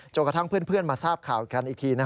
กระทั่งเพื่อนมาทราบข่าวกันอีกที